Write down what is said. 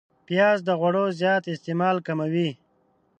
پیاز د غوړو زیات استعمال کموي